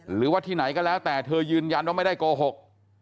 หรือว่าที่ไหนก็แล้วแต่เธอยืนยันว่าไม่ได้โกหก